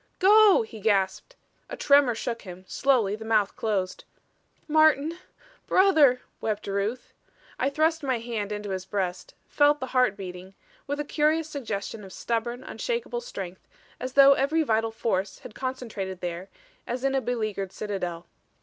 "Go!" he gasped. A tremor shook him; slowly the mouth closed. "Martin! Brother," wept Ruth. I thrust my hand into his breast; felt the heart beating, with a curious suggestion of stubborn, unshakable strength, as though every vital force had concentrated there as in a beleaguered citadel.